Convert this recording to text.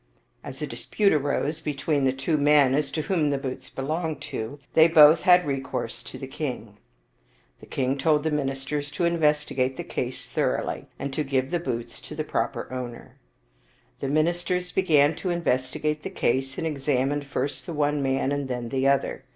As a dispute arose between the two men as to whom the boots belonged to, they both had recourse to the king. The king told the ministers to investigate the case thoroughly, and to give the boots to the proper owner. The ministers began to investigate the case, and examined first the one man and then the other.